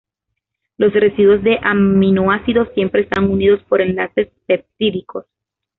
Los residuos de aminoácidos siempre están unidos por enlaces peptídicos.